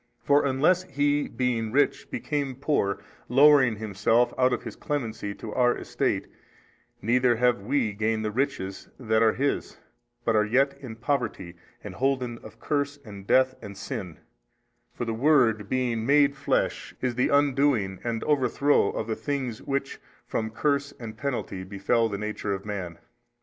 For unless He being Rich became poor, lowering Himself out of His Clemency to our estate, neither have WE gained the riches that are His, but are yet in poverty and holden of curse and death and sin: for the Word BEING MADE flesh is the undoing and overthrow of the things which from curse and penalty befell the nature of man.